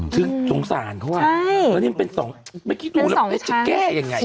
คือสงสารเขาว่าแล้วนี่มันเป็นสองไม่คิดดูแล้วจะแก้อย่างไร